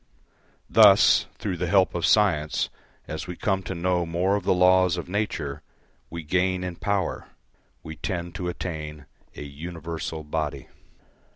Thus, through the help of science, as we come to know more of the laws of nature, we gain in power; we tend to attain a universal body.